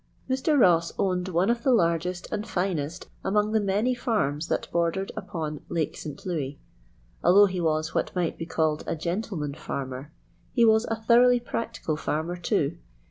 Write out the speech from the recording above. Mr. Eoss owned one of the largest and finest among the many farms that bordered upon Lake St. Louis. Although he was what might be called a gentleman farmer, he was a thoroughly practical farmer too.